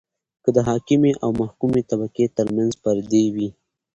که د حاکمې او محکومې طبقې ترمنځ پردې وي.